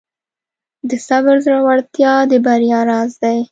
د صبر زړورتیا د بریا راز دی.